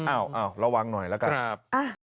อ้าวระวังหน่อยแล้วกัน